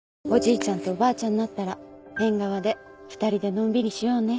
ちゃんとおばあちゃんになったら縁側で２人でのんびりしようね。